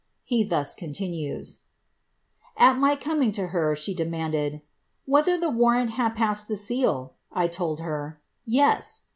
He thus continues — ^^At my coming to her, she demanded, ' Whether the warrant had passed the seal ?' I told her, ^ Yes.'